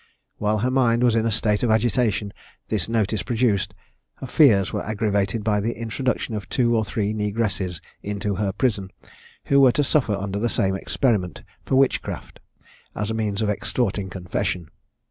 While her mind was in the state of agitation this notice produced, her fears were aggravated by the introduction of two or three negresses into her prison, who were to suffer under the same experiment for witchcraft, and as a means of extorting confession.